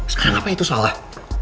sekarang apa itu salah